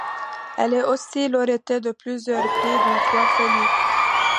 Elle est aussi lauréate de plusieurs prix, dont trois Félix.